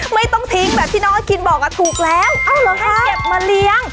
ไม่ต้องทิ้งแบบที่น้องอาคินบอกถูกแล้วเอาเหรอให้เก็บมาเลี้ยง